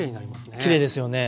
きれいですよね。